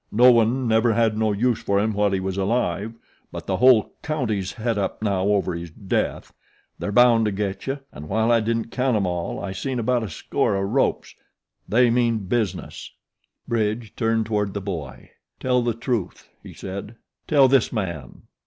No one never had no use for him while he was alive, but the whole county's het up now over his death. They're bound to get you, an' while I didn't count 'em all I seen about a score o' ropes. They mean business." Bridge turned toward the boy. "Tell the truth," he said. "Tell this man."